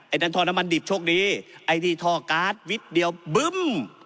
ไอดันทรน้ำมันดิบโชคดีไอดีทอการวิธีเดียวบึ้ม